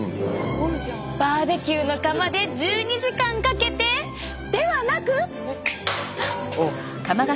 バーベキューの窯で１２時間かけてではなく！